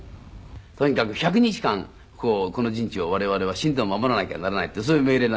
とにかく１００日間この陣地を我々は死んでも守らなきゃならないってそういう命令なんですよ。